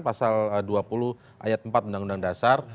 pasal dua puluh ayat empat undang undang dasar